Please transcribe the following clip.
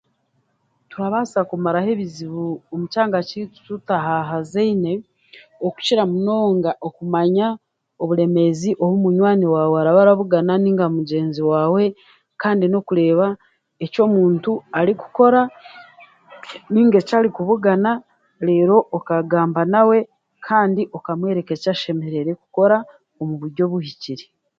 Turabaasa kumaraho ebizibu omu kyanga kyaitu tutahahazaine okukira munonga okumanya oburemeezi obu munywani waawe arabarabugana nainga mugyenzi waawe kandi n'okureeba eky'omuntu arikukora nainga ekyarikubugana reero okagamba nawe kandi okamwereka ekyashemereire kukora omu buryo buhikire.